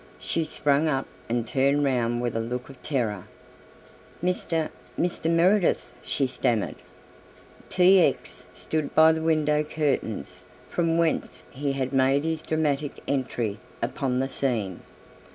She sprang up and turned round with a look of terror. "Mr. Mr. Meredith," she stammered. T. X. stood by the window curtains from whence he had made his dramatic entry upon the scene.